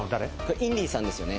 インディさんですよね。